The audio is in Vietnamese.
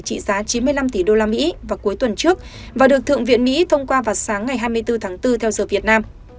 trị giá chín mươi năm tỷ usd vào cuối tuần trước và được thượng viện mỹ thông qua vào sáng ngày hai mươi bốn tháng bốn theo giờ việt nam